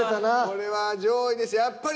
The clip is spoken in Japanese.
これは上位でした。